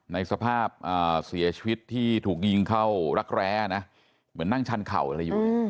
ในสภาพเสียชีวิตที่ถูกยิงเข้ารักแร้นะเหมือนนั่งชันเข่าอะไรอยู่